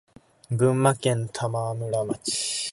群馬県玉村町